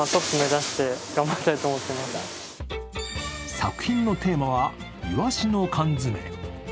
作品のテーマはイワシの缶詰。